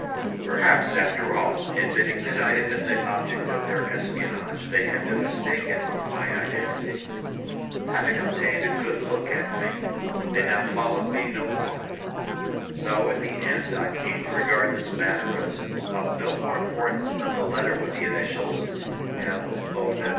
Perhaps after all, admitting that I had been the object of their espionage, they had been mistaken in my identity. Having obtained a good look at me, they now followed me no more. So in the end, I came to regard this matter as of no more importance than the letter with the initials, M. o.